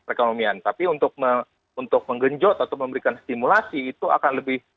perekonomian tapi untuk menggenjot atau memberikan stimulasi itu akan lebih